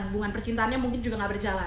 hubungan percintanya mungkin juga gak berjalan